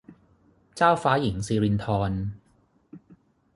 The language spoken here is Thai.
เจ้าฟ้าหญิงสิรินธร